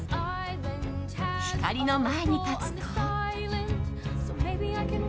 光の前に立つと。